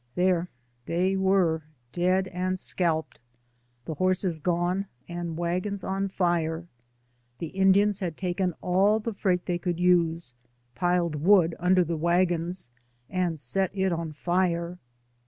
There they were — dead and scalped — the horses gone, and wagons on fire. The Indians had taken all the freight they could use, piled wood under the wagons, and set it on fire.